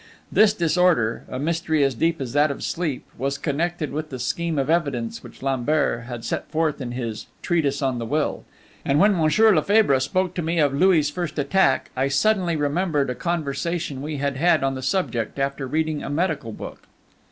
This disorder, a mystery as deep as that of sleep, was connected with the scheme of evidence which Lambert had set forth in his Treatise on the Will. And when Monsieur Lefebvre spoke to me of Louis' first attack, I suddenly remembered a conversation we had had on the subject after reading a medical book.